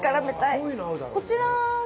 こちらは？